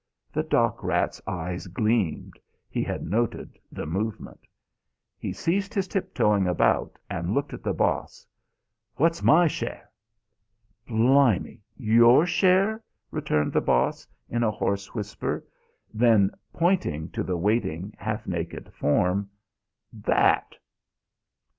The dock rat's eyes gleamed: he had noted the movement. He ceased his tip toeing about and looked at the Boss. "What's my share?" "Blimy! Your share?" returned the Boss in a hoarse whisper. Then, pointing to the waiting, half naked form: "That!"